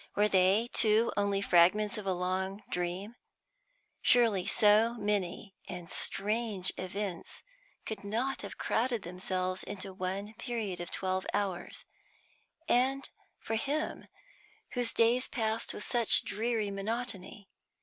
Were they, too, only fragments of a long dream? Surely so many and strange events could not have crowded themselves into one period of twelve hours; and for him, whose days passed with such dreary monotony.